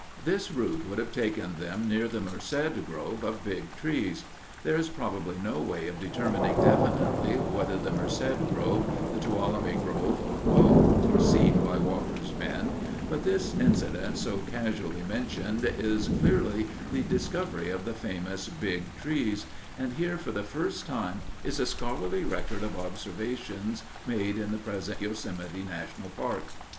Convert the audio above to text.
This route would have taken them near the Merced Grove of Big Trees. There is probably no way of determining definitely whether the Merced Grove, the Tuolumne Grove, or both, were seen by Walker's men, but this incident so casually mentioned is clearly the discovery of the famous Big Trees, and here for the first time is a scholarly record of observations made in the present Yosemite National Park.